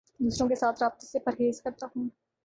دوسروں کے ساتھ رابطے سے پرہیز کرتا ہوں